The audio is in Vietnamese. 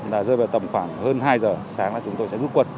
rơi vào tầm khoảng hơn hai giờ sáng là chúng tôi sẽ rút quân